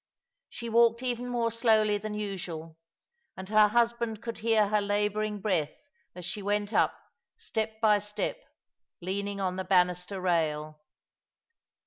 She walked even more slowly than usual, and her husband could hear her labouring breath as she went up, step by step, leaning on the banister rail.